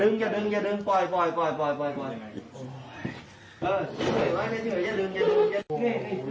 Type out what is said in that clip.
เราเข้าดาวน์ฟิวเจอร์